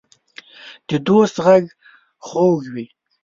د دوست غږ خوږ وي.